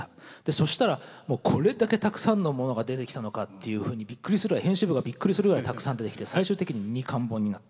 そしたらもうこれだけたくさんのものが出てきたのかっていうふうに編集部がびっくりするぐらいたくさん出てきて最終的に２巻本になった。